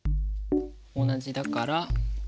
同じだから。